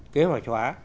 kế hoạch hóa